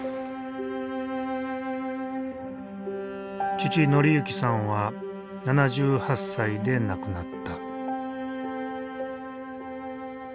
父紀幸さんは７８歳で亡くなった。